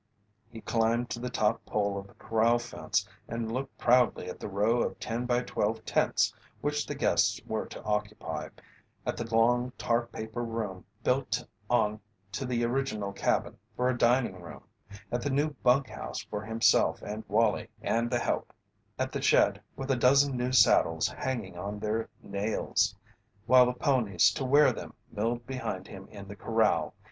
He climbed to the top pole of the corral fence and looked proudly at the row of ten by twelve tents which the guests were to occupy, at the long tar paper room built on to the original cabin for a dining room, at the new bunk house for himself and Wallie and the help, at the shed with a dozen new saddles hanging on their nails, while the ponies to wear them milled behind him in the corral.